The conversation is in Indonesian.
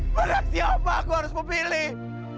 berat siapa aku harus memilih